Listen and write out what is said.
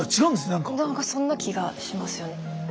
何かそんな気がしますよね。